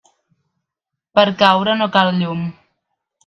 Per a caure no cal llum.